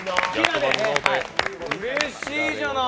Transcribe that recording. うれしいじゃない。